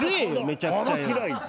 めちゃくちゃよ。